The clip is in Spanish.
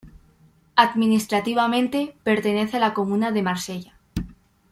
Administrativamente, pertenece a la comuna de Marsella.